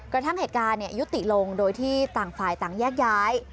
กระทั่งเหตุการณ์ยุติลงโดยที่ต่างฝ่ายต่างแยกย้าย